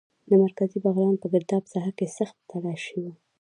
د مرکزي بغلان په ګرداب ساحه کې سخته تالاشي وه.